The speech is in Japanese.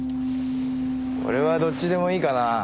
俺はどっちでもいいかな。